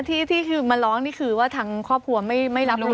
อันนี้ที่คือมาร้องนี่คือว่าทางครอบครัวไม่รับรู้ไม่ได้รู้อะไรสักอย่างเลย